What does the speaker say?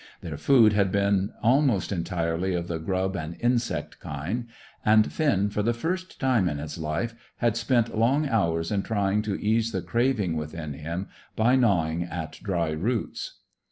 Their food had been almost entirely of the grub and insect kind, and Finn, for the first time in his life, had spent long hours in trying to ease the craving within him by gnawing at dry roots.